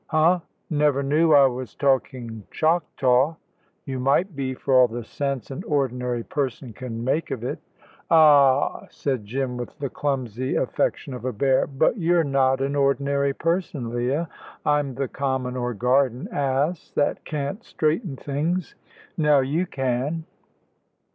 "Huh! Never knew I was talking Choctaw." "You might be, for all the sense an ordinary person can make of it." "Ah a a!" said Jim, with the clumsy affection of a bear; "but you're not an ordinary person, Leah. I'm the common or garden ass, that can't straighten things. Now you can."